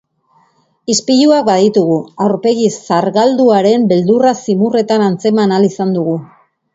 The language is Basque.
Ispiluak baditugu, aurpegi zargalduaren beldurra zimurretan antzeman ahal izan dugu.